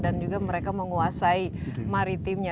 dan juga mereka menguasai maritimnya